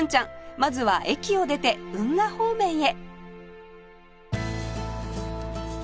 まずは駅を出て運河方面へ